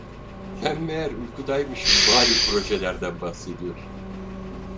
Ben meğer uykudaymışım, vali projelerden bahsediyor…